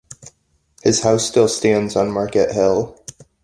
His house still stands on Market Hill.